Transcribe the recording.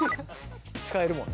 使えるもんね。